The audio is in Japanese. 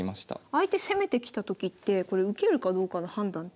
相手攻めてきたときってこれ受けるかどうかの判断って。